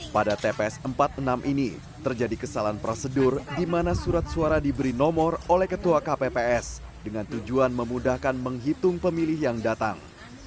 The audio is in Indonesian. pada tps empat puluh enam ini terjadi kesalahan prosedur di mana surat suara diberi nomor oleh ketua kpps dengan tujuan memudahkan menghitung pemilih yang datang